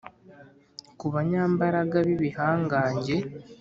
ku banyambaraga b’ibihangange